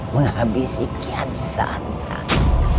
menghabisi kian santang